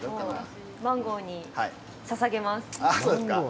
マンゴーにささげます。